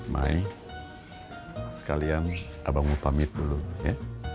mai sekalian abang mau pamit dulu ya